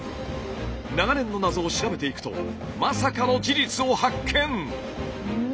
長年の謎を調べていくとまさかの事実を発見！